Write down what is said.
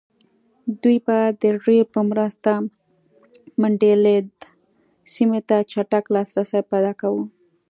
دوی به د رېل په مرسته منډلینډ سیمې ته چټک لاسرسی پیدا کاوه.